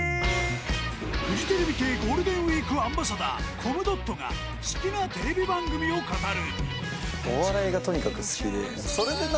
フジテレビ系ゴールデンウィークアンバサダーコムドットが好きなテレビ番組を語る。